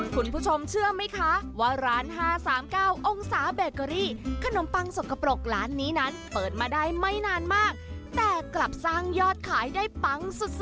คุณผู้ชมเชื่อไหมคะว่าร้าน๕๓๙องศาเบเกอรี่ขนมปังสกปรกร้านนี้นั้นเปิดมาได้ไม่นานมากแต่กลับสร้างยอดขายได้ปังสุด